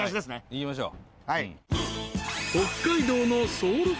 行きましょう。